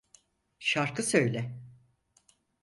Şarkı söyle.